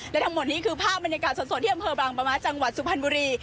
และทั้งหมดนี้คือภาพบรรยากาศสดที่อำเภอบางประมะจังหวัดสุพรรณบุรี